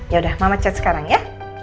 ya udah mama chat sekarang ya